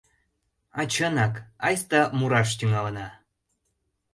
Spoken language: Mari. — А чынак, айста мураш тӱҥалына.